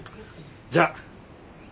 じゃあご